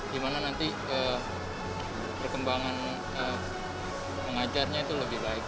di mana nanti perkembangan pengajarnya itu lebih baik